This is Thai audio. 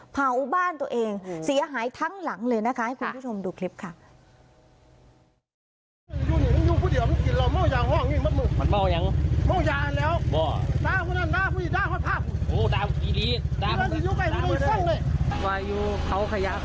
เผาบ้านตัวเองเสียหายทั้งหลังเลยนะคะให้คุณผู้ชมดูคลิปค่ะ